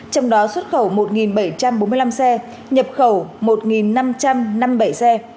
trong đó xuất khẩu một bảy trăm bốn mươi năm xe nhập khẩu một năm trăm năm mươi bảy xe